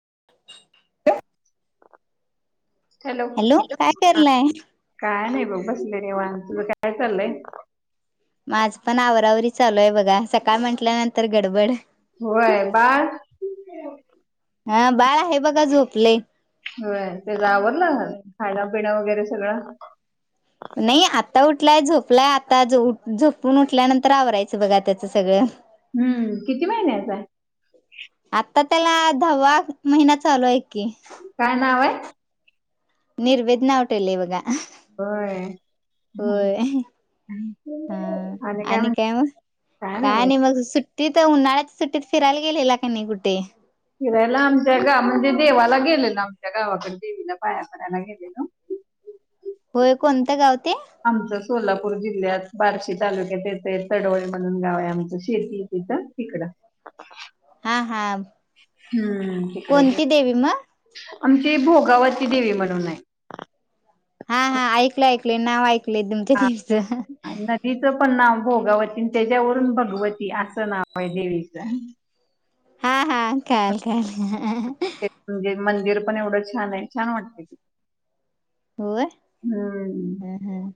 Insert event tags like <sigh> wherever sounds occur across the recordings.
<inaudible> <inaudible> Hello काय hello करलाय काय नाही ब बसले निवांत, तुझं काय चाललंय? माझ पण आवरावरी चालू आहे बघा सकाळ म्हटल्यानंतर गडबड होय बाळ. हा बाळ आहे बघा झोपलय. होय. तेज आवरलं खान पिन वगै ते सगळं. नाही आता उठलाय झोपलाय आता झोपून उठल्यानंतर आवरायचं बघा त्याचं सगळं. हम्म किती महिन्याचा हाय. आता त्याला दहावा महिना चालू हाय काय नाव आहे. <inaudible> निर्वेद नाव ठेवल बघा होय होय आणि काय म्हण छान आहे. तिथ उन्हाळ्याच्या सुट्टीत फिरायला गेलेला का नाही कुठे फिरायला आमच्या गाव म्हणजे देवाला गेल ना आमच्या गावाकडे देवीला पाया पडायला गेलेलो होय कोणत गाव ते आमचं सोलापूर जिल्ह्यात बार्शी तालुक्यात येत तडोळी म्हणून गाव आहे आमचं शेती तिथं तिकडं हा हा हम्म तिकडं गेलो. कोणती देवी मग आमची भोगावती देवी म्हणून आहे हा हा ऐकलं ऐकले नाव एंक ल तुमच हा देवीच नदीचं पण नाव भोगावती त्याच्यावरून भगवती असं नाव आहे देवीच. हा हा कळाल कळाल ते <inaudible> मंदिर पण एवढं छान आहे, छान वाटत की होय हम्म हम्म.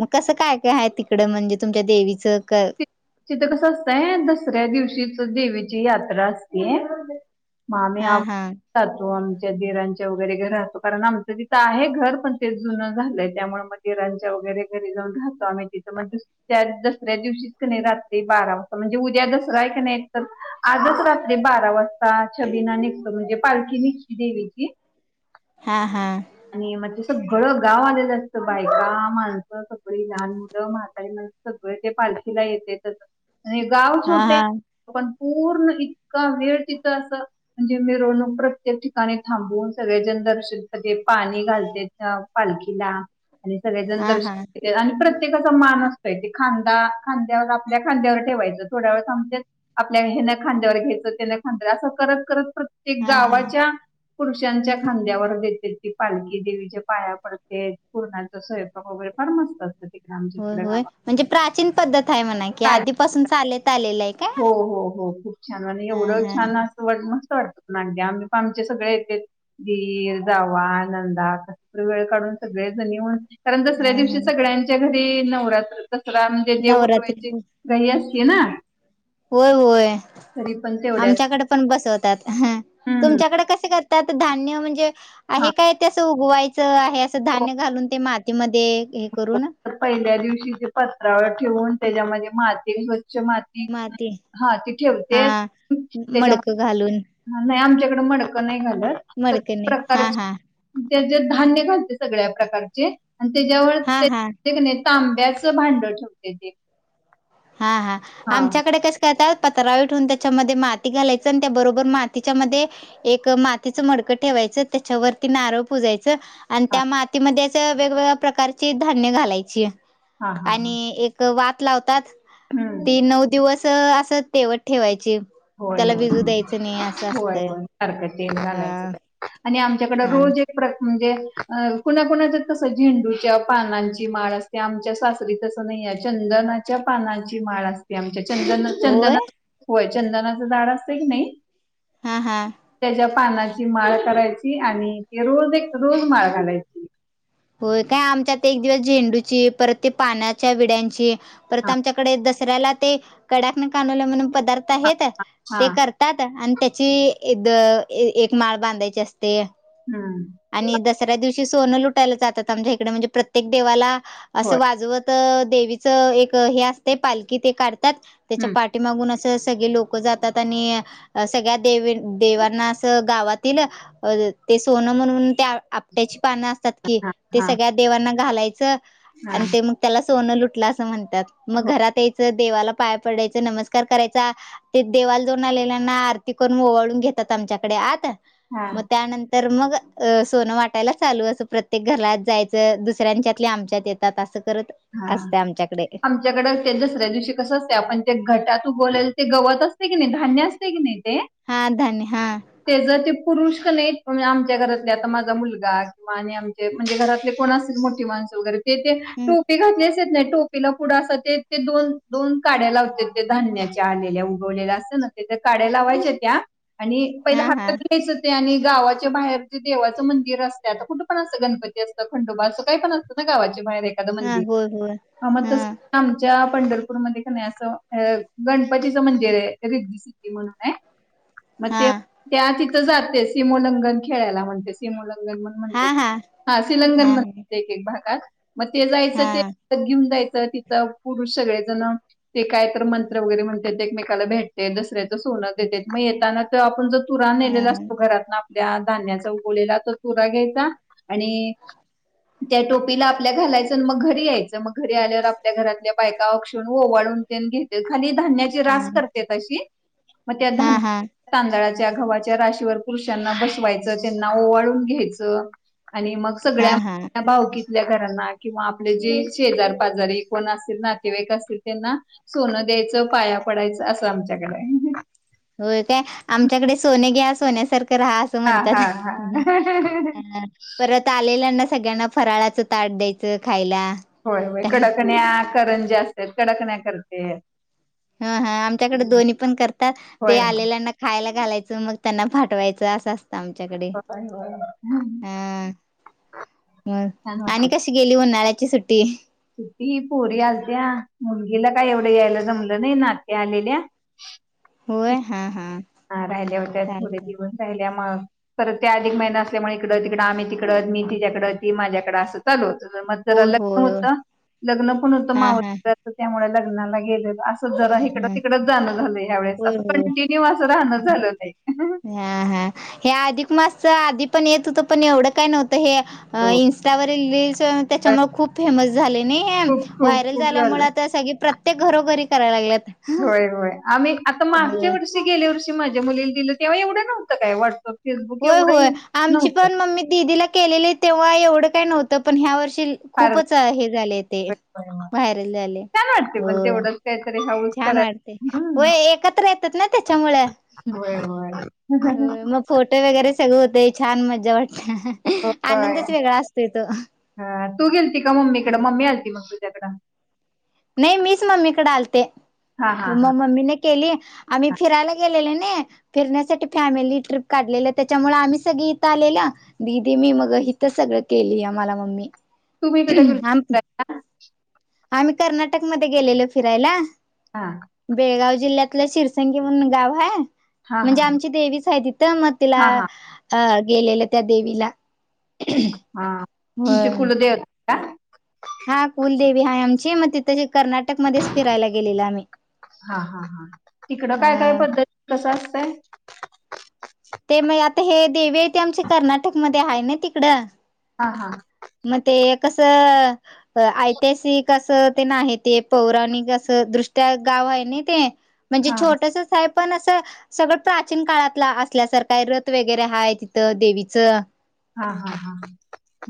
मग कसं काय काय आहे, तिकडं म्हणजे तुमच्या देवीचं? तिथं कसं असतंय दसऱ्या दिवशीच देवीची यात्रा असते. मग आम्ही हा आधीच हा जातो आमची दिरांच्या वगैरे घर राहतो कारण आमचं तिथं आहे घर पण ते जुनं झालंय त्यामुळे मग दिरांच्या वगैरे घरी जाऊन राहातो, आम्ही तिथं मग त्या दसऱ्या दिवशी नाही रात्री बारा वाजता म्हणजे उद्या दसरा आहे कणी तर आजच रात्री बारा वाजता, छबिना निघत म्हणजे पालखी निघती देवीची. हा हा. आणि म्हणजे सगळं गाव आलेलं असतं, बायका, माणसं, सगळी लहान मुलं, म्हातारी सगळे ते पालखीला येत्यात. आणि गाव हा हा छोटे पण पूर्ण इतका वेळ तिथं असं म्हणजे मिरवणूक प्रत्येक ठिकाणी थांबून सगळे जण दर्शन स पाणी घालते पालखीला. आणि सगळेजण हा दर्शन हा आणि प्रत्येकाचा मान असतो. खांदा खांद्यावर आपल्या खांद्यावर ठेवायचं, थोड्या वेळ थांबत्यात आपल्या हेना खांद्यावर घ्यायचं त्यान खांद्यावर असं करत करत प्रत्येक हा हा गावाच्या पुरुषांच्या खांद्यावर देत. त पालखी देवीचे पाया पडते पूर्णाच स्वयंपाक वगैरे फार मस्त असतं. तिकडे आमच्या होय इकडे होय गावात म्हणजे प्राचीन पद्धत आहे म्हणा कि, काय आधीपासून चालत आलेलं आहे हो काय?? हो हो हा हा. <unintelligible> सगळी पाहुणे आलते त आम्ही पण आमचे दीर जावा जावा नंदा वेळ काढून सगळे जणी कारण हा दसऱ्या हा दिवशी सगळ्यांच्या घरी नवरात्र दसरा म्हणजे देव नवरात्री उठवायचे घाई ना? होय होय तरी पण तेवढ्यात आमच्याकडे पण बसवतात ह हम्म तुमच्याकडे कसे कर? त्यात धान्य म्हणजे? हा आहे काय त्या गोवायचं हे हो असंधान्य घालून ते मात ते म <unintelligible> ते हे करू ना? तर पहिल्या दिवशी पत्रावर ठेवून त्याच्यामध्ये माती माती हा ते ठेवते हा त्याच्या मडकं आमच्या <unintelligible> मडक नाही घालत मडकनी हा हा त्या धान्य घालते सगळ्या प्रकारचे आणि हा हा त्या न तांब्याचं भांड ठेवते ते हा हा आमच्याकडे कस कातात पत्रवर ठेवून त्याच्यामध्ये माती घालायच आणि त्या बरोबर मातीच्या म एक मातीचं मडकं ठेवायचं त्याच्यावरती नारळ पुजायच हा त्या माती वेगवेगळ्या प्रकारची धान्य घालायची हा हा हा आणि एक वाात लावतात ते हम्म नऊ दिवस असं तेवट ठेवायचे होय होय होय असतंय होय सारखं तेल हा घालायचं आणि आमच्याकडं हा रोज एक म्हणजे कुणाकुणाच तस झेंडूच्या पानांची माळ असते आमच्या सासरी तस नाही आहे चंदनाच्या पानांची माळ असते आमच्या चंद होय चंदना होय चंदनाच झाड असत की नाही हम हा त्याच्या पानाची माळ करायची आणि ते रोज एक रोज माळ घालायची होय काय आमच्यात एक दिवस झेंडूची परत ते पाण्याच्या विड्यांची परत हा आमच्याकडे कड का म्ह प हा आहेत हा ते करतात आणि त्याची ईद एक माळ बांधायची असते. ते हम्म आणि दसऱ्या दिवशी ची सोन लुट यला जातात आमच्या इकडे म्हणजे प्रत्येक देवाला. होय असं वाजवत त देवीचं एक हे असते पालखी ते का त्या त्याच्या हम्म पाठी मागून अस त्या त सगळे लोक जातात आणि सगळ्या देवीन देवांना अस गावातील ते सोन म्हणून त्या आपट्याची पानं असतात. हा ते हा सगळ्या देवां की घालायचं. हा आणि ते मग त्याला सोनं लुटला असं म्हणते. मग हो घरात देवाला पाय पडायचं. नमस्कार करायचा, ते देवाला जाऊन आलेल्यांना आरती करून ओळून घेतात आमच्याकडे आत हा मग त्यानंतर तर मग अ सोनं वाटायला चालू असं प्रत्येक ते घरात जायचं. दुसऱ्यांच्यातले आमच्यात येतात असं करत हा असते आमच्याकडे आमच्याकडे ते दसऱ्या दिवशी कस असते आपण ते घटात बोलाल ते गवत असते की नाही, धान्य असते की नाही. ते हा धान्य हा त्याचा ते पुरुष तस नाही आमच्या घरातले आता माझा मुलगा, किंवा आणि आमचे म्हणजे घरातले कोणा मोठी माणसं वगैरे ते ते हम्म टोपी घातली यस नाही टोपीला पुढं अस ते दोन दोन काड्या लावते ते धान्याच्या आलेल्या उगवलेल्या असे ना तेथ काढ्या लावायच्या त्या आणि पहिला हा हा हातात घ्यायचं ते आणि गावाच्या बाहेर जे देवाचं मंदिर असते. आता कुठं पण असतं गणपती असतं खंडोबा असं काही पण असतं ना गावाच्या बाहेर. एद हा मंदिर होय होय हा मग तस आमच्या पंढरपूरमध्येध्ये नाही असं गणपतीचं मंदिर आहे रिद्ध सिद्धी म्हणून आहे. मग हा ते त्या आिक जाते सिमोंलगन खेळाला म्हण सिमों म्हणत्यात हा हा शीलंगनण हा एक एक भागात मग ते जायचं हा ते घेऊन जायचं. इथ तिथं पुरुष सगळेजण ते काय तर मंत्र वगैरे म्हण एकमेकाला भेटते. दसऱ्याचं सोनं देत मग येताना तर आपण ज तुराण हा नेलेला असतो घरात ना त्या धान्याचा उगलेला तर चुरा घ्यायचा आणि त्या टोपीला आपल्या घालायचं मग घरी यायचं मग घरी आल्यावर आपल्या घरातल्या बाय गवा कक्षषण वाळूनतेेन ग खाली धान्याची रास करते अशी मग त्या हा हा धान्य तांदळा घवा्हाच्या राशीवर पुरुषांना बसवायचं त्यांना ओवाळून घ्यायचं. आणि मग हा हा सगळ्या भावकी करना किंवा आपले जे शेजार पाजारी कोण असतील नातेवाईक असतील त्यांना सोनं द्यायचं पाया पडायचं असं आमच्याकडे आहे. होय काय आमच्याकडे सोने घ्या सोन्यासारख.. रहा अस हा म्हणतात हा हा परत आलेल्याना सगळ्यांना फराळाचं ताट द्यायचं खायला. होय हो कडकण्या करंजा.. ते कडकन्या करतात. ह हा आमच्याकडे दोन्ही पण करतात ते होय होय आलेल्याना खायला घालायचं मग... त्यांना फटवायचं असं असतं आमच्याकडे होय होय हा मग आणि कशी गेली उन्हाळ्या... कची सुटी सुती पोरी आलत्या मुलगीला काय एवढं यायला जमलं नाही नात आलेल्या... होय हा हा.. हा राहिल्या होत्या थोडे चालतय दिवस राहिल्या मग... तर ते अधिक महिना असल्यामुळे इकडं तिकडडे आम्ही तिकडच मी तिच्याकड ती माझ्याकडं असं चालू होत. मग जरा होय लग्न होय होय होत लग्न पण होत हा मावस हा दिराच त्यामुळे लग्न लग्नाला गेलेलो.. हा जराड हा तिकडच जाणं झालंस अस होय होय कंटिन्यू अस.. हा हा हे अधिकमास... स आधी पण येत होतं पण एवढं काय नव्हतं. हे हो. इंस्टावरील रीलस त्याच्यामुळे खूप फेमस.. झाले नाही खूप खूप वायरल खूप झालंय झाल्यामुळे सगळी प्रथा... ते घरोघरी... कराय लागल्यात. होय होय. आम्ही आता मागच्या वर्षी गेल्या वर्षी... माझ्या मुलीला दिल तेव्हा एवढं नव्हतं काय वाटतं? होय होय आमची पण मम्मी दीदीला केलेले तेव्हा एवढं... काही नव्हत पण ह्या वर्षी... फार खूपच हे झाले ते छान व्हायरल झाले वाटते पण होय. तेवढंच काहीतरी हाऊस छान वाटते करायला हम्म हो एकत्र येतात ना त्याच्यामुळ.. होय होय होय मग फोटो वगैरे... सगंळ होतय छान मजा वाट हो तो ह तू गेलती का मम्मीकडे मम्मी आलती मग झगडा <unintelligible> इकडं आलते. हा हा म हा मम्मीने केली आम्ही फिरायला गेलेले फिरण्यासाठी फॅमिली ट्रिप काढलेलं त्याच्यामुळे आम्ही सगळी इथं आलेल दीदी मी मग इथ सगळं केली आमला मम्मी. तुम्ही कुठ <unintelligible> आम कर <inaudible> आम्ही कर्नाटकमध्येध्ये गेलेलो फिरायला. हा बेळगाव. जिल्ह्यातलं शिरसंगी म्हणून गाव हाय हा हा म्हणजे आमची देवीच आहे तिथं मग तिला हा हा अ गेलेलं त्या देवीला हा तुमची होय. कुलदेवता. का. हा कुलदेवी हाय आमची मग तिथ कर्नाटकमध्येध्येच फिरायला गेलेला आम्ही. हा -हा -हा तिकडं काय काय अ पद्धती कस असतंय ते मग आता हे देवी आहे ते आमच्या कर्नाटकमध्ये ते आहे ना तिकडं हा हा मग ते कसं? <inaudible> ऐतिहासिकि अस अस ते नाही ते पौराणिक असं दृष्ट्या गाव आहे नाही ते म्हणजे हा छोटस हाय पण अस सगळं प्राचीन काळाततल असल्यासारखा रथ वगैरे हा तिथं देवीचं. हा हा हा हा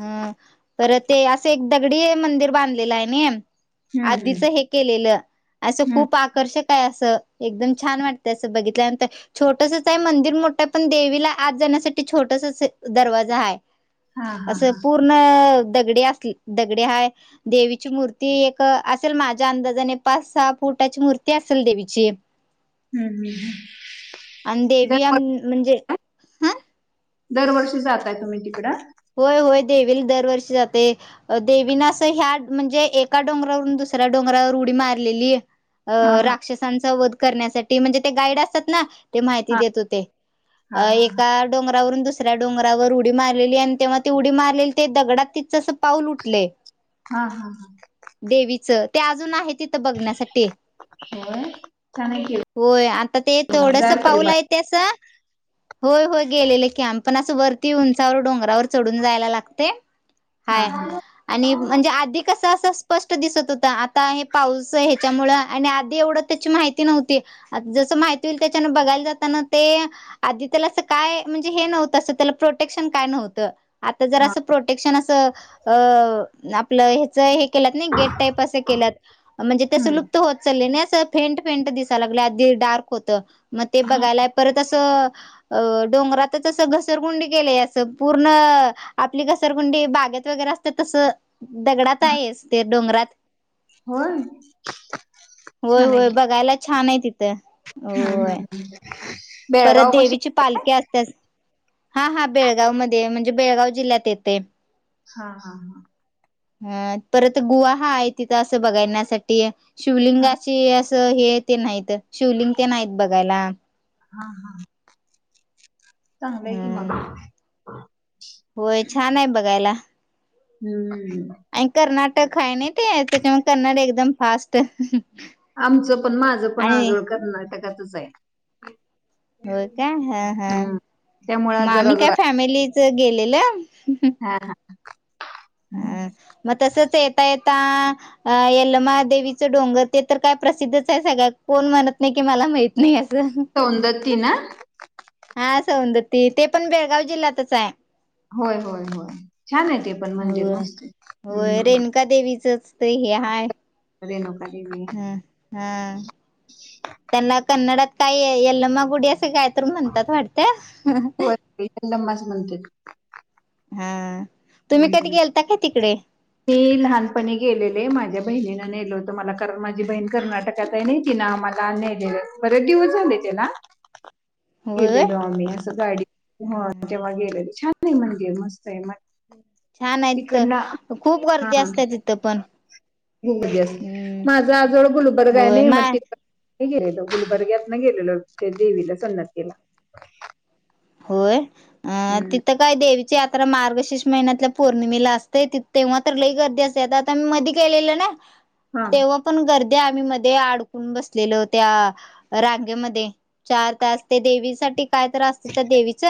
हा पर ते असे एक दगडी मंदिर बांधलेलं आहे नाही. हम्म हम्म आधीच हे केलेलं असं हम्म खूप आकर्षक आहे अस. एकदम छान वाटतं असं बघितल्यानंतर छोटसच आहे मंदिर मोठ आता पण देवीला आज जाण्यासाठी छोटस दरवाजा आहे. हा हा असं हा पूर्ण दगडे अस दगडे हाय देवीची मूर्ती एक असेल माझ्या अंदाजाने पाच सहा फुटाची मूर्ती असेल देवीची हम्म हम् हम्. अन देवी म्हणजे ह दरवर्षी जाताय तुम्ही तिकडं? होय. होय. देवीला दरवर्षी जाते. देवीनं असं ह्या म्हणजे एका डोंगरावरून दुसऱ्या डोंगरावर उडी मारलेली अ हा हा राक्षसांचा वध करण्यासाठी म्हणजे ते गाईड असतात ना ते माहिती हा देत होते. हा हा एका डोंगरावरून दुसऱ्या डोंगरावर उडी मारलेली आणि तेव्हा ती उडी मारलेली ते दगडात तिचं असं पाऊल उठले. हा हा हा. ते अजून आहे तिथं बघण्यासाठी ते होय छान आहे की होय. आता ते मग थोडस जायला पाहिजे पाऊल बा आहे ते अस होय होय गेलेलं, आमी पण असं वर ती उंचावर डोंगरावर चढून जायला लागतय. हा हाय. हा आणि म्हणजे आधी कस स्पष्ट दिसत होत. आता हे पाऊस ह्याच्यामुळ आणि आधी एवढं त्याची माहिती नव्हती. जसं माहिती होईल त्याच्यान बघायला जाताना ते आधी त्याला अस काय म्हणजे हे नव्हतं अस त्याला प्रोटेक्शन काय नव्हत. आता जर हा असं प्रोटेक्शन असं अ आपलं हेच एक असं गेट टाईप केल्यात. म्हणजे तस हम्म लुप्त होत चाल्यानई फेंट फेंट दिसाय लागलय. अधदी डार्क होतं. मग ते हा बघायलाय. परत असं अ डोंगरातच अस घसरगुंडी केलय. अस पूर्ण आपली घसरगुंडी बागेत वगैरे असत्यात तस दगडात आहेस. ते डोंगरात होय. होय छान आहे होय की बघायला छान आहे. तिथं. हम्. होय हम्. परत बेळगाव पशी देवीची पालखी असत्याच हा हा बेळगाव मध्ये म्हणज बेळगाव जिल्ह्यात येते हा. हा. हा. हं. परत गुवा हाय. तिथं असं बघायण्यासाठी हा शिवलिंगाची हे ते नाहीत, शिवलिंग तेन हाईत बघायला. हा. हा. चांगलं आहे की मग. हम्म <inaudible> होय छान हाय बघायला हम्म आणि कर्नाट टक हाय नय ते त्याच्या कन्नड एकदम फास्ट आमचं पण माझं पण आजोळ कर्नाटकच च आहे होय का हा हा हम्म त्यामुळे म जरा आम्ही काय जरा फॅमिलीच गेलेलं हा हा हा मग तसच येता ये ता यलमा देवीचं डोंगर ते तर काय प्रसिद्धच हाय सगळ्या कोण म्हणत नाय की मला माहीत नाही अस कोणं द ती ना हा सौंदती ते पण बेळगाव जिल्ह्यातच आहे. होय होय होय छान आहे ते पण मंदित होय. मस्त होय हम् रेणुका देवीचच रेणुका देवी हम् हा त्यांना कन्नडात काही यल्लमागुडी असं काय तर म्हणतात वाटत होय की याल्लमाच म्हणत्यात हा तुम्ही कधी गेलता का तिकडे मी लहानपणी गेलेले माझ्या बहिणीन नेल होतं मला कारण माझी बहीण कर्नाटकात आहे ना तिनं आम्हाला नेलेलं बरेच दिवस झाले त्याला होय. गेलेलो आम्ही असं गाडी होय तेव्हा गेलेले छान नाही म्हणे मस्त <unintelligible> छान आहे तित तिकडनं खूप. हा गर्दी असते तिथं पण होस हम्म माझ आजोळ गुलबर्ग आहे होय नाय म मा तित हे गेलेल गुलबर्ग्यात ना गेलेलो त्या देवीला सन्नततीला. होय. अ तिथं काय देवी ची यात्रा मार्गशीर्ष महिन्यातल्या पौर्णिमेला असते त तेव्हा तर लही गर्दी असते आता तेन मधी गेलेलो ना हा तेव्हा पण गर्द तित आम्ही मध्ये अडकून बसलेलो त्या रांगेमध्ये चार तास ते देवी साठी कायतर आ त्या देवीच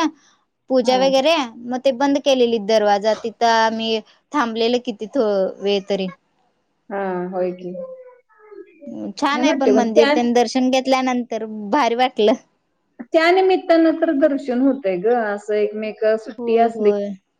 पूजा हा वगैरे मग... ते बंद केलेली दरवाजा तिथं मी थांबलेले किती वेळ तरी... हा होयकी छान आहे पण मंदिर त्यांनी दर्शन घेत. त्यानंतर भारी वाटलं. त्या नमित्तानं तर दर्शन होतय ग असं एकमेक.... सुट्टी होय असली... होय